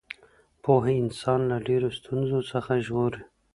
پوهه انسان له ډېرو ستونزو څخه ژغوري.